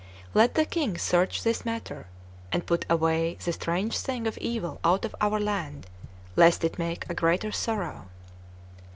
Let the King search this matter, and put away the strange thing of evil out of our land, lest it make a greater sorrow."